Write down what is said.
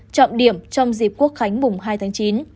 trọng điểm trong dịp quốc khánh mùng hai tháng chín